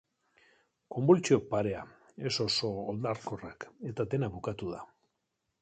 Konbultsio parea, ez oso oldarkorrak, eta dena bukatu da.